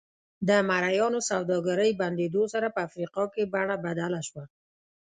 د مریانو سوداګرۍ بندېدو سره په افریقا کې بڼه بدله شوه.